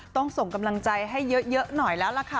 ส่งกำลังใจให้เยอะหน่อยแล้วล่ะค่ะ